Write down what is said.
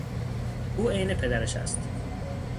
او عین پدرش است.